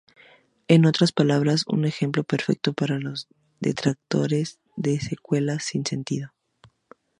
En otras palabras, un ejemplo perfecto para los detractores de secuelas sin sentido".